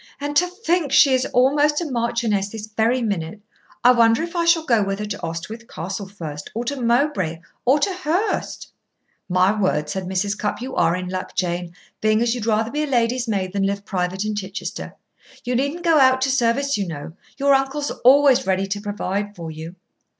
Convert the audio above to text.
"And to think she is almost a marchioness this very minute. I wonder if I shall go with her to Oswyth Castle first, or to Mowbray, or to Hurst?" "My word!" said Mrs. Cupp, "you are in luck, Jane, being as you'd rather be a lady's maid than live private in Chichester. You needn't go out to service, you know. Your uncle's always ready to provide for you."